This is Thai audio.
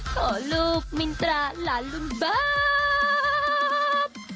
ขอลูกมินตราหลานรุ่นบาท